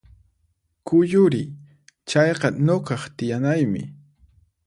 Kuyuriy! Chayqa nuqaq tiyanaymi